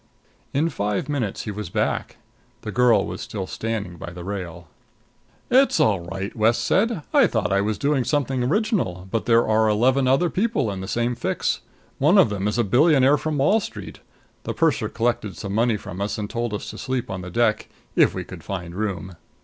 In five minutes he was back. The girl was still standing by the rail. "It's all right!" West said. "I thought I was doing something original, but there were eleven other people in the same fix. One of them is a billionaire from Wall Street. The purser collected some money from us and told us to sleep on the deck if we could find room."